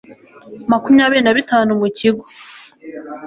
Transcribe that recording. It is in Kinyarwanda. makumyabiri na bitanu ku kigo